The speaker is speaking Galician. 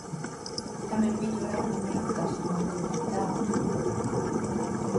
Tamén mellora o número de casos novos detectados.